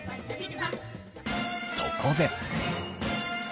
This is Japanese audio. そこで。